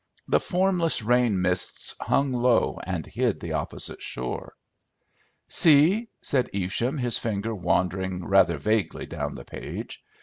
The formless rain mists hung low and hid the opposite shore. "See!" said Evesham, his finger wandering rather vaguely down the page.